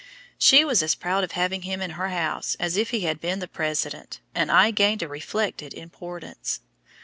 She was as proud of having him in her house as if he had been the President, and I gained a reflected importance!